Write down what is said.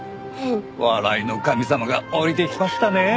笑いの神様が下りてきましたねえ。